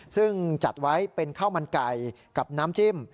ซึ่งจัดไว้เป็นข้าวมันไก่กับน้ำจิ้ม